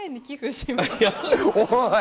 おい！